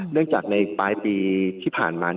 เรื่องจากในปลายปีที่ผ่านมา